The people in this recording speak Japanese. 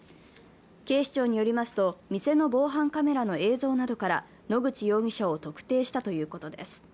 警視庁によりますと、店の防犯カメラの映像などから野口容疑者を特定したということです。